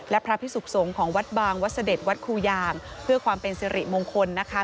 และพระพิสุขสงฆ์ของวัดบางวัดเสด็จวัดครูยางเพื่อความเป็นสิริมงคลนะคะ